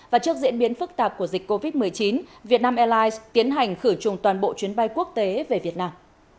và trước diễn biến phức tạp của dịch covid một mươi chín việt nam airlines tiến hành khử trùng toàn bộ chuyến bay quốc tế về việt nam